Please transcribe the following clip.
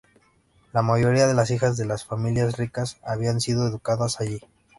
La mayoría de las hijas de las familias ricas habían sido educadas allí.